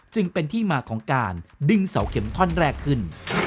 จึงเป็นที่มาของการดึงเสาเข็มท่อนแรกขึ้น